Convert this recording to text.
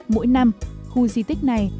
mỗi năm khu di tích này